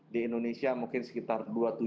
di indonesia mungkin sekitar